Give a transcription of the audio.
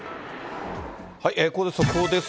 ここで速報です。